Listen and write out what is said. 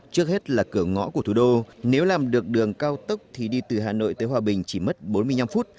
trước hết là cửa ngõ của thủ đô nếu làm được đường cao tốc thì đi từ hà nội tới hòa bình chỉ mất bốn mươi năm phút